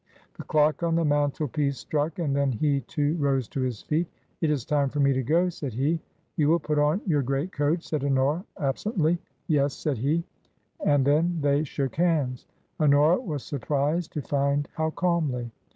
The clock on the mantle piece struck, and then he too rose to his feet. " It is time for me to go," said he. " You will put on your great coat," said Honora, ab sently. " Yes," said he. And then they shook hands — Honora was surprised to find how calmly.